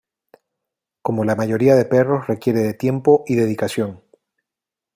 Como la mayoría de perros requiere de tiempo y dedicación.